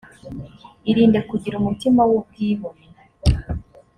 irinde kugira umutima w’ubwibone